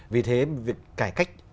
vì thế việc cải cách